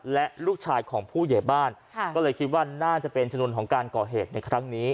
และลูกชายของผู้ใหญ่บ้านก็เลยคิดว่าน่าจะเป็นชนวนของการก่อเหตุในครั้งนี้